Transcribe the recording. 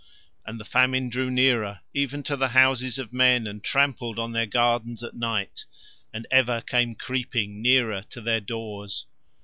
And the Famine drew nearer, even to the houses of men and trampled on their gardens at night and ever came creeping nearer to their doors.